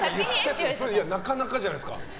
なかなかじゃないですか？